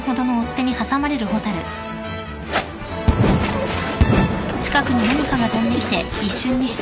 うっ。